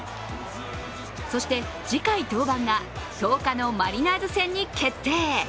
そして次回登板が１０日のマリナーズ戦に決定。